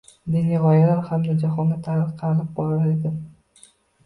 Diniy gʻoyalari ham jahonga tarqalib borar edi.